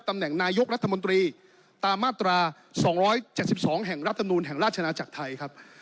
ตามมาตรา๒๗๒แห่งรัฐนูนแห่งราชนาจักรไทยครับ